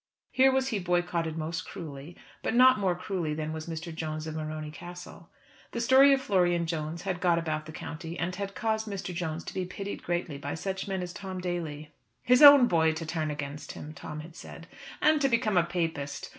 Here was he boycotted most cruelly, but not more cruelly than was Mr. Jones of Morony Castle. The story of Florian Jones had got about the county, and had caused Mr. Jones to be pitied greatly by such men as Tom Daly. "His own boy to turn against him!" Tom had said. "And to become a Papist!